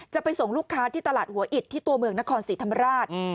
จะไปส่งลูกค้าที่ตลาดหัวอิดที่ตัวเมืองนครศรีธรรมราช